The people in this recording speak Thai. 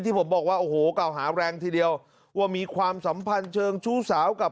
ผมบอกว่าโอ้โหเก่าหาแรงทีเดียวว่ามีความสัมพันธ์เชิงชู้สาวกับ